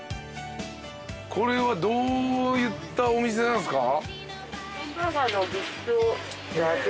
これはどういったお店なんですか？